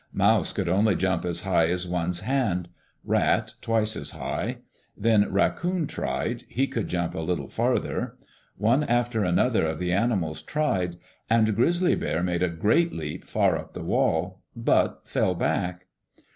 Mouse could only jump as high as one's hand; Rat, twice as high. Then Raccoon tried; he could jump a little farther. One after another of the animals tried, and Grizzly Bear made a great leap far up the wall, but fell back.